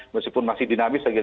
meskipun masih dinamis lagi